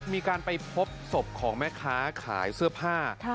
มีการไปพบศพของแม่ค้าขายเสื้อผ้า